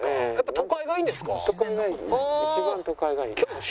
都会がいいです。